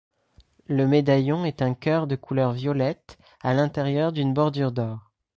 Le médaillon est un cœur de couleur violette à l'intérieur d'une bordure d'or.